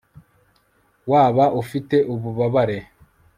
Waba ufite ububabare